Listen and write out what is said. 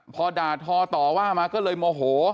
พอด่าทอต่อว่ามาก็เลยโมโห